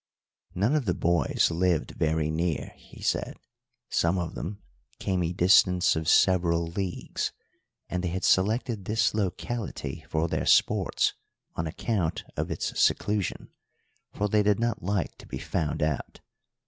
None of the boys lived very near, he said; some of them came a distance of several leagues, and they had selected this locality for their sports on account of its seclusion, for they did not like to be found out.